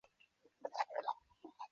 可以通过各种手段触发构建。